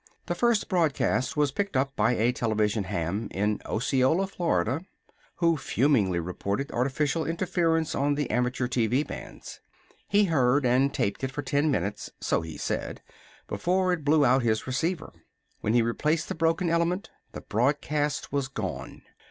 The first broadcast was picked up by a television ham in Osceola, Florida, who fumingly reported artificial interference on the amateur TV bands. He heard and taped it for ten minutes so he said before it blew out his receiver. When he replaced the broken element, the broadcast was gone.